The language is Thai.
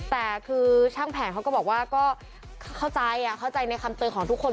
แต่คือช่างแผงเขาก็บอกว่าก็เข้าใจเข้าใจในคำเตือนของทุกคน